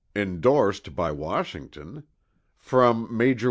Indorsed by Washington: "From MAJ'R WM.